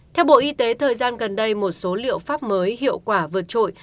theo bộ y tế thời gian gần đây một số liệu pháp mới hiệu quả vượt trội